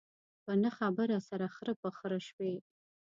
په نه خبره سره خره په خره شوي.